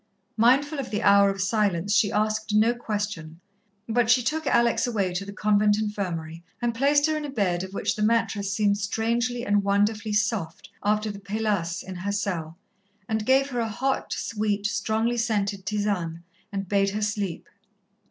Mindful of the hour of silence, she asked no question, but she took Alex away to the convent infirmary, and placed her in a bed of which the mattress seemed strangely and wonderfully soft after the paillasse in her cell, and gave her a hot, sweet, strongly scented tisane and bade her sleep.